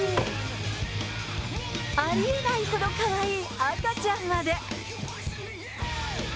ありえないほどかわいい赤ちゃんまで。